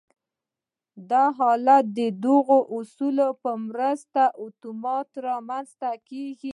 دا حالت د دغو اصولو په مرسته اتومات رامنځته کېږي